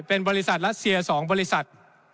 เป็นบริษัทรัสเซีย๒บริษัท